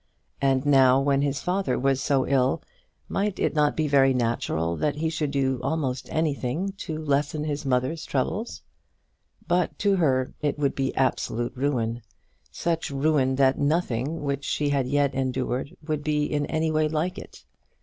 And now, when his father was so ill, might it not be very natural that he should do almost anything to lessen his mother's troubles? But to her it would be absolute ruin; such ruin that nothing which she had yet endured would be in any way like it.